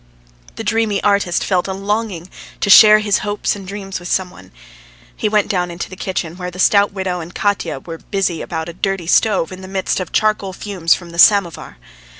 The dreamy artist felt a longing to share his hopes and dreams with some one. He went downstairs into the kitchen, where the stout widow and Katya were busy about a dirty stove in the midst of charcoal fumes from the samovar.